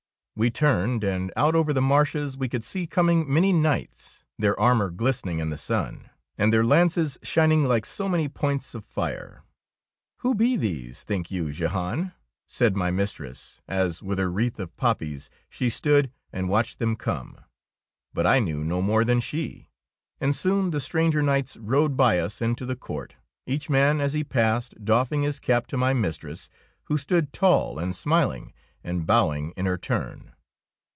We turned, and out over the marches we could see coming many knights, their armour glistening in the sun, and 23 DEEDS OF DAEING their lances shining like so many points of fire. '' Who be these, think you, Jehan? " said my mistress, as with her wreath of poppies she stood and watched them come. But I knew.no more than she, and soon the stranger knights rode by us into the court, each man as he passed doffing his cap to my mistress, who stood tall and smiling, and bowing in her turn.